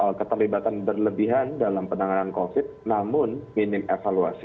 soal keterlibatan berlebihan dalam penanganan covid namun minim evaluasi